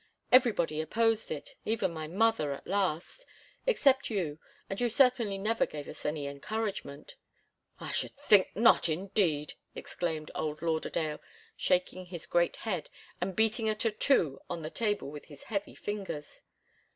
Everybody opposed it even my mother, at last except you, and you certainly never gave us any encouragement." "I should think not, indeed!" exclaimed old Lauderdale, shaking his great head and beating a tattoo on the table with his heavy fingers.